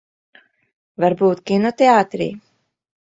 Varbūt kinoteātrī?